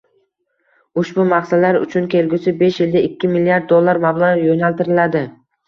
Ushbu maqsadlar uchun kelgusi besh yilda ikki milliard dollar mablag‘ yo‘naltiriladi.